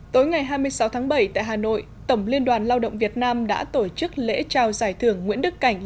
tối ngày hai mươi sáu tháng bảy tại hà nội tổng liên đoàn lao động việt nam đã tổ chức lễ trao giải thưởng nguyễn đức cảnh